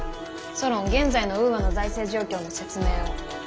ソロン現在のウーアの財政状況の説明を。